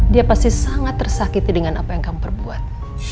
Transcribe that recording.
dia pasti sangat tersakiti dengan apa yang kamu perbuat